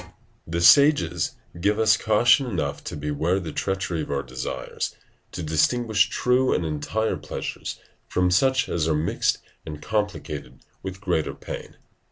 ] The sages give us caution enough to beware the treachery of our desires, and to distinguish true and entire pleasures from such as are mixed and complicated with greater pain.